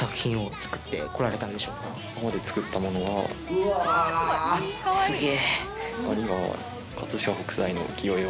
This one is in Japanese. うわあ、すげえ。